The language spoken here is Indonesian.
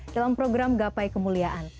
dalam program gapai kemuliaan